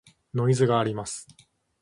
ノイズがあります。